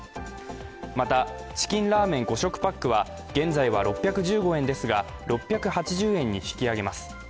また、チキンラーメン５食パックは現在は６１５円ですが６８０円に引き上げます。